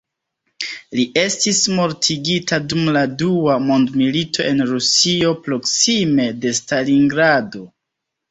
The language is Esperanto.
Li estis mortigita dum la Dua mondmilito en Rusio proksime de Stalingrado.